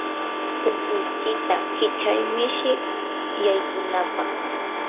punkuykita kichay mishi yaykunapaq.